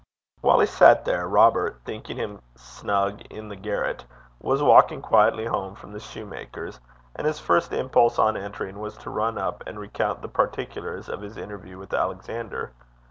While he sat there, Robert, thinking him snug in the garret, was walking quietly home from the shoemaker's; and his first impulse on entering was to run up and recount the particulars of his interview with Alexander.